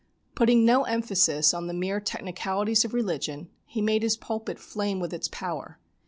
Putting no emphasis on the mere technicalities of religion, he made his pulpit flame with its power.